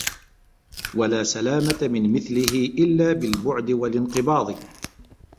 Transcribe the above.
وَلَا سَلَامَةَ مِنْ مِثْلِهِ إلَّا بِالْبُعْدِ وَالِانْقِبَاضِ